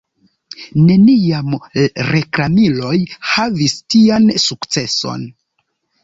Neniam reklamiloj havis tian sukceson.